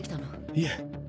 いえ。